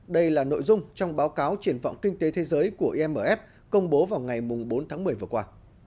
đây là nội dung trong báo cáo triển vọng kinh tế thế giới của imf công bố vào ngày bốn tháng một mươi vừa qua